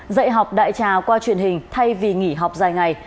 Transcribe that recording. dạy học đại trà qua truyền hình thay vì nghỉ học dài ngày